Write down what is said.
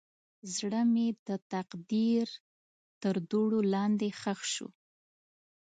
زړه مې د تقدیر تر دوړو لاندې ښخ شو.